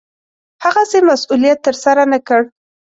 هغسې مسوولت ترسره نه کړ.